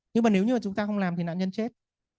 nhưng mà nếu như chúng ta không làm thì nạn nhân chết